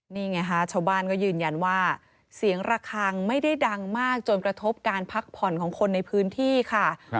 นี่ไงฮะชาวบ้านก็ยืนยันว่าเสียงระคังไม่ได้ดังมากจนกระทบการพักผ่อนของคนในพื้นที่ค่ะ